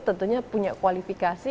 tentunya punya kualifikasi